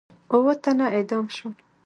اووه تنه اعدام شول.